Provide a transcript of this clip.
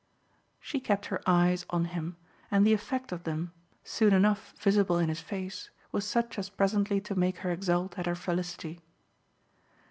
She kept her eyes on him, and the effect of them, soon enough visible in his face, was such as presently to make her exult at her felicity.